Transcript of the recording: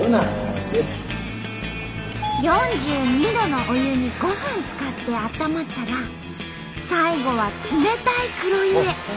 ４２℃のお湯に５分つかってあったまったら最後は冷たい黒湯へ。